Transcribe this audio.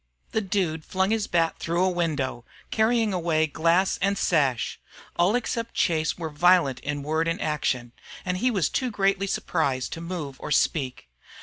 The Dude flung his bat through a window, carrying away glass and sash. All except Chase were violent in word and action, and he was too greatly surprised to move or speak.